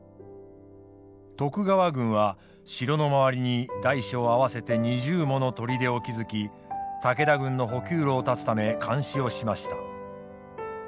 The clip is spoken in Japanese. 徳川軍は城の周りに大小合わせて２０もの砦を築き武田軍の補給路を断つため監視をしました。